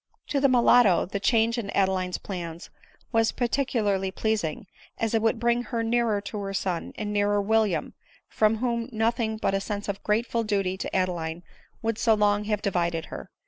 To the mulatto, the change in Adeline's plans was particularly pleasing, as it would bring her nearer her son, and nearer William, from whom nothing but a sense of grateful duty to Adeline would so long have divided her.